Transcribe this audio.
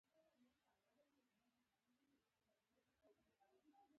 حقایق له منځه نه ځي بلکې پرې سترګې پټېږي.